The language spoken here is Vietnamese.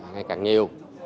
ngày càng nhiều